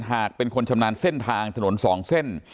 หากเป็นคนชำนาญเส้นทางถนน๒เส้น